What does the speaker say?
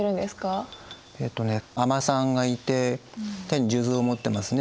えっとね尼さんがいて手に数珠を持ってますね。